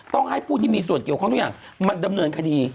ต้องให้ผู้ที่มีส่วนเกี่ยวข้องทุกอย่างมาดำเนินคดี